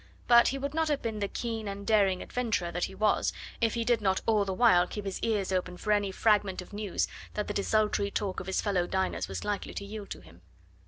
But he would not have been the keen and daring adventurer that he was if he did not all the while keep his ears open for any fragment of news that the desultory talk of his fellow diners was likely to yield to him.